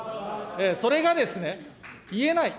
それがですね、言えない、